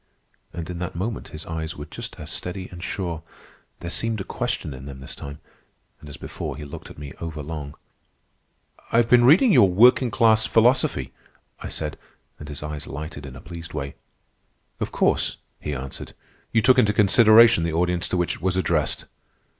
And in that moment his eyes were just as steady and sure. There seemed a question in them this time, and as before he looked at me over long. "I have been reading your 'Working class Philosophy,'" I said, and his eyes lighted in a pleased way. "Of course," he answered, "you took into consideration the audience to which it was addressed."